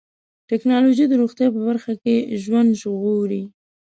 ټکنالوجي د روغتیا په برخه کې ژوند ژغوري.